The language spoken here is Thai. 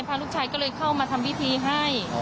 ลูกชายก็เลยเข้ามาทำพิธีให้